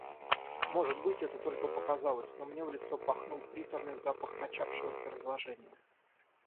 Может быть, это только показалось, но мне в лицо пахнул приторный запах начавшегося разложения.